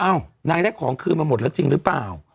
นางได้ของคืนมาหมดแล้วจริงหรือเปล่า